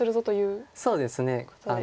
そうですね。